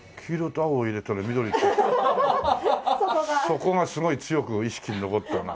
そこがすごい強く意識に残ったな。